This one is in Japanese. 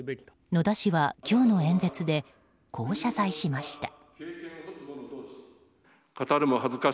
野田氏は今日の演説でこう謝罪しました。